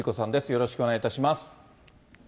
よろしくお願いします。